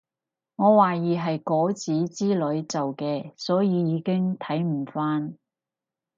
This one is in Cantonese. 我懷疑係果籽之類做嘅所以已經睇唔返